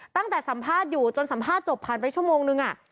สัมภาษณ์อยู่จนสัมภาษณ์จบผ่านไปชั่วโมงนึง